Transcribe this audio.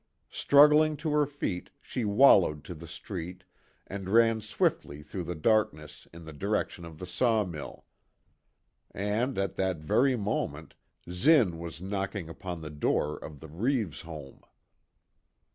Struggling to her feet she wallowed to the street, and ran swiftly through the darkness in the direction of the sawmill. And, at that very moment, Zinn was knocking upon the door of the Reeves home.